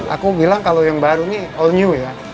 aku bilang kalau yang baru ini all new ya